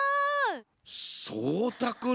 そうたくん・